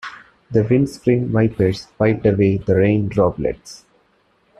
The windscreen wipers wiped away the rain droplets.